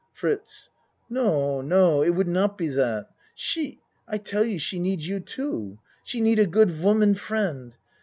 FRITZ No no, it would not be dot. She I tell you she need you, too. She need a good woman friend.